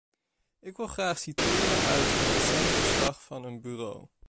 Ik wil graag citeren uit een recent verslag van een bureau.